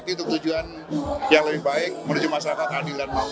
itu tujuan yang lebih baik menuju masyarakat adilan mampu